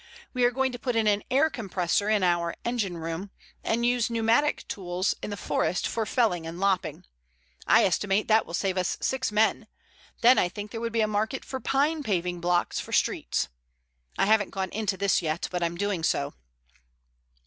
We are going to put in an air compressor in our engine room, and use pneumatic tools in the forest for felling and lopping. I estimate that will save us six men. Then I think there would be a market for pine paving blocks for streets. I haven't gone into this yet, but I'm doing so."